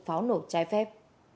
pháo nổ trái phép